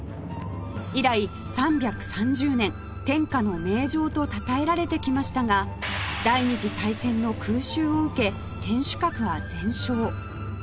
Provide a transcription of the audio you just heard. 以来３３０年天下の名城とたたえられてきましたが第二次大戦の空襲を受け天守閣は全焼